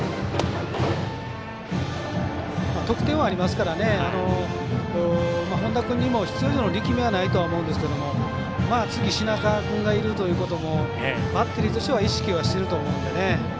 得点はありますから本田君にも必要以上の力みはないと思うんですけど次、品川君がいるということもバッテリーとしては意識もしてると思うんでね。